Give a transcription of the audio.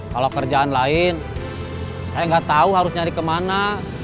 kalau kerjaan lain saya gak tau harus nyari ke mana